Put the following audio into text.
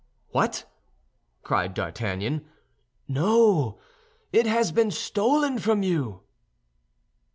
"What!" cried D'Artagnan. "No, it has been stolen from you."